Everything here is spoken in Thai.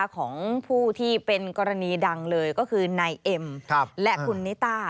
ของผู้ที่เป็นกรณีดังเลยก็คือนายเอ็มและคุณนิต้า